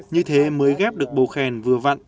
như thế mới ghép được bổ khen vừa vặn